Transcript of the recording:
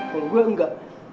kalau gue engga